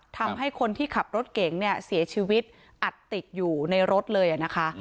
ทำให้คนที่ขับรถเก๋งเนี่ยเสียชีวิตอัดติดอยู่ในรถเลยนะคะ